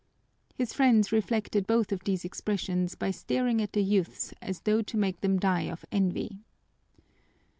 His friends reflected both of these expressions by staring at the youths as though to make them die of envy.